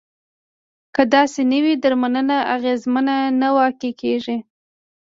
که داسې نه وي درملنه اغیزمنه نه واقع کیږي.